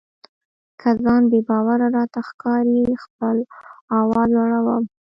که ځان بې باوره راته ښکاري خپل آواز لوړوم.